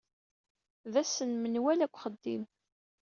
D ass n menwala deg uxeddim.